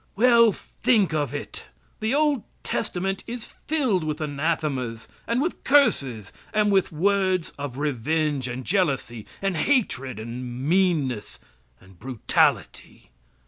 Well, think of it! The Old Testament is filled with anathemas, and with curses, and with words of revenge, and jealousy, and hatred, and meanness, and brutality.